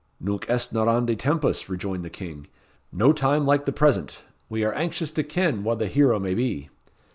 "Nunc est narrandi tempus," rejoined the King. "No time like the present. We are anxious to ken wha the hero may be."